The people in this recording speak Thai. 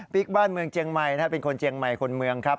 บ้านเมืองเจียงใหม่เป็นคนเจียงใหม่คนเมืองครับ